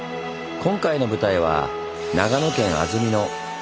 今回の舞台は長野県安曇野。